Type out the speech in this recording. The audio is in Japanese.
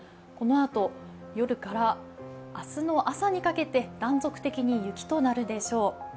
このあと、夜から明日の朝にかけて断続的に雪となるでしょう。